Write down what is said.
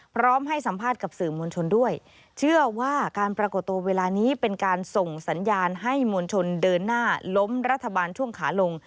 พร้อมให้สัมภาษณ์กับสื่อมวลชนด้วยเชื่อว่าการปรากฏตัวเวลานี้เป็นการส่งสัญญาณให้มวลชนเดินหน้าล้มรัฐบาลช่วงขาลง